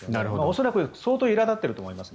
恐らく相当いら立っていると思います。